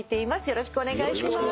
よろしくお願いします。